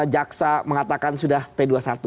jaksa mengatakan sudah p dua puluh satu